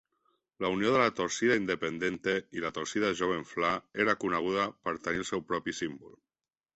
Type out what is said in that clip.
La unió de la "Torcida Independente" i la "Torcida Jovem Fla"' era coneguda per tenir el seu propi símbol.